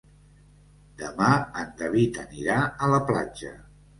Demà en David anirà a la platja.